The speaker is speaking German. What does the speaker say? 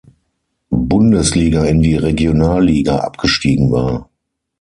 Bundesliga in die Regionalliga abgestiegen war.